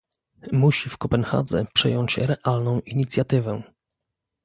Musi w Kopenhadze przejąć realną inicjatywę